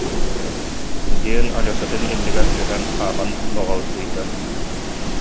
диэн Алешатын иннигэр түһэн, хааман нуоҕалдьыйда